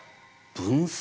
分散。